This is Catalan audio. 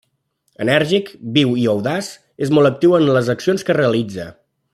Enèrgic, viu i audaç, és molt actiu en les accions que realitza.